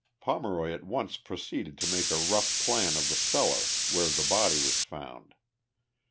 Pomeroy at once proceeded to make a rough plan of the cel lar, where the body was found.